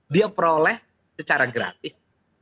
dia peroleh secara gratis